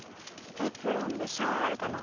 エプロンで「シャー」あるかな。